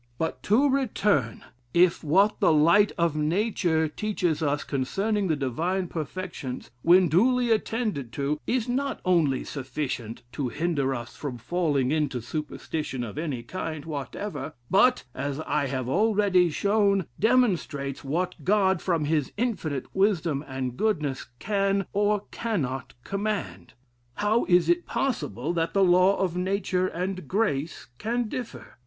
But to return; if what the light of Nature teaches us concerning the divine perfections, when duly attended to, is not only sufficient to hinder us from falling into superstition of any kind whatever; but, as I have already shown, demonstrates what God, from his infinite wisdom and goodness, can, or cannot command; how is it possible that the law of Nature and grace can differ?